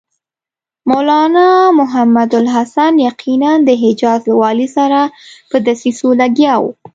مولنا محمودالحسن یقیناً د حجاز له والي سره په دسیسو لګیا و.